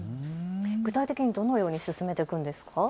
具体的にどのように進めていくんですか。